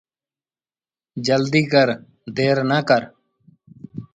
جلديٚ ڪر دير نا ڪر۔